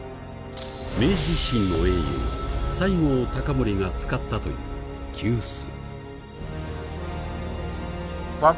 明治維新の英雄西郷隆盛が使ったという急須。